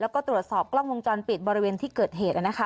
แล้วก็ตรวจสอบกล้องวงจรปิดบริเวณที่เกิดเหตุ